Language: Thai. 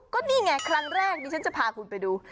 ก็นี่ไงครั้งแรกดิฉันจะพาคุณไปดู